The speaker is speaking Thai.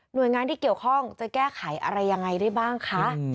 โดยงานที่เกี่ยวข้องจะแก้ไขอะไรยังไงได้บ้างคะ